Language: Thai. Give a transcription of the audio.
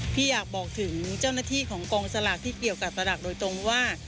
พี่อยากบอกถึงเจ้าหน้าที่ของกองสลากที่เกี่ยวกับสลากโดยตรงว่า